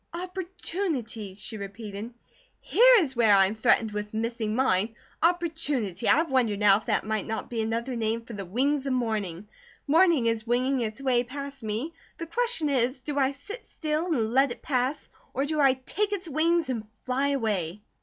"Opportunity," she repeated. "Here is where I am threatened with missing mine. Opportunity! I wonder now if that might not be another name for 'the wings of morning.' Morning is winging its way past me, the question is: do I sit still and let it pass, or do I take its wings and fly away?"